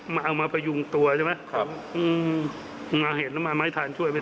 เอามาประยุงตัวใช่มั้ย